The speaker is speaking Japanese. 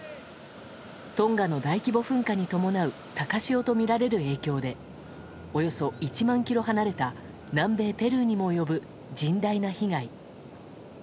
トンガの大規模噴火に伴う高潮とみられる影響でおよそ１万ｋｍ離れた南米ペルーにも及ぶ甚大な被害。